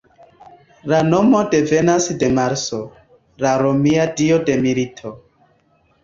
La nomo devenas de Marso, la romia dio de milito.